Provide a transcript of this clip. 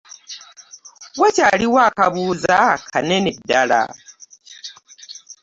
Wakyaliwo akabuuza kanene ddala.